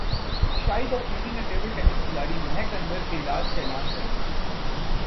شاہد فریدی نے table tennis کھلاڑی مہک انور کے علاج کا اعلان کردیا